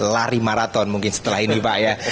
lari maraton mungkin setelah ini pak ya